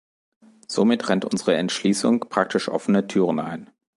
Somit rennt unsere Entschließung praktisch offene Türen ein.